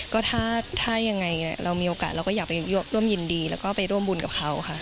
ก็ถ้ายังไงเรามีโอกาสเราก็อยากไปร่วมยินดีแล้วก็ไปร่วมบุญกับเขาค่ะ